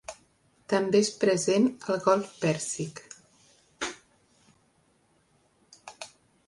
També és present al Golf Pèrsic.